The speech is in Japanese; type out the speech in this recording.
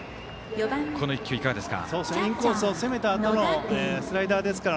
この１球、いかがですか。